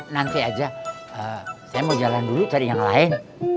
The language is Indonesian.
nanti aja saya mau jalan dulu cari yang lain